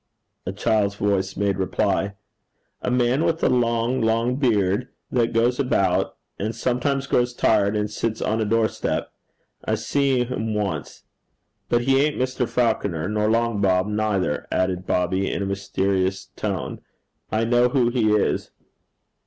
A child's voice made reply, 'A man with a long, long beard, that goes about, and sometimes grows tired and sits on a door step. I see him once. But he ain't Mr. Falconer, nor Long Bob neither,' added Bobby in a mysterious tone. 'I know who he is.'